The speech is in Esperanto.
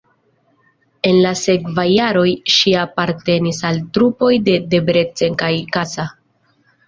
En la sekvaj jaroj ŝi apartenis al trupoj de Debrecen kaj Kassa.